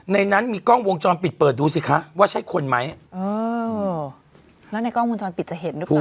ในนั้นมีกล้องวงจรปิดเปิดดูสิคะว่าใช่คนไหมเออแล้วในกล้องวงจรปิดจะเห็นหรือเปล่า